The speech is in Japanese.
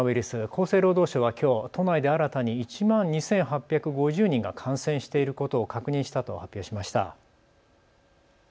厚生労働省はきょう都内で新たに１万２８５０人が感染していることを確認したと発表しました。